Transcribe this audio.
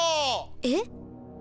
えっ？